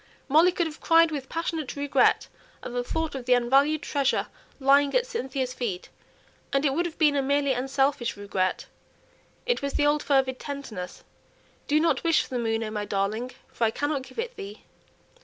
Molly could have cried with passionate regret at the thought of the unvalued treasure lying at Cynthia's feet; and it would have been a merely unselfish regret. It was the old fervid tenderness: "Do not wish for the moon, O my darling, for I cannot give it thee."